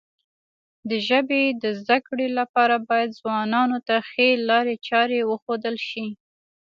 د ژبې د زده کړې لپاره باید ځوانانو ته ښې لارې چارې وښودل شي.